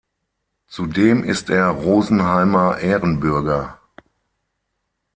Zudem ist er Rosenheimer Ehrenbürger.